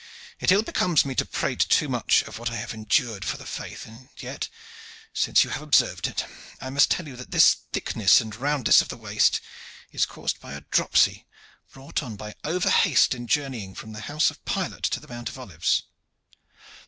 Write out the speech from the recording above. It ill becomes me to prate too much of what I have endured for the faith, and yet, since you have observed it, I must tell you that this thickness and roundness of the waist is caused by a dropsy brought on by over haste in journeying from the house of Pilate to the Mount of Olives."